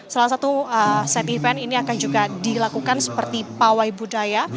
salah satu set event ini akan juga dilakukan seperti pawai budaya